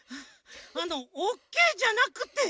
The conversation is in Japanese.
あのオッケーじゃなくて。